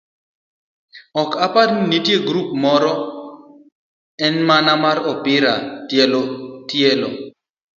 ok apar ni nitie grup moro e gana mar opira mar tielo